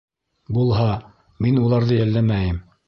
Булһа, мин уларҙы йәлләмәйем.